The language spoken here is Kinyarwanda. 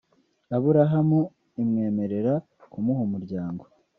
Aburahamu imwemerera kumuha umuryango